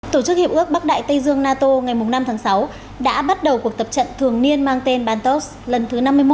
tổ chức hiệp ước bắc đại tây dương nato ngày năm tháng sáu đã bắt đầu cuộc tập trận thường niên mang tên bantos lần thứ năm mươi một